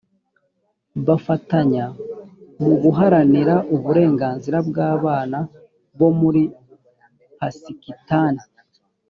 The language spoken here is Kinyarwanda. bafatanya mu guharanira uburenganzira bw abana bo muri pasikitani